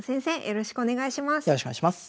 よろしくお願いします。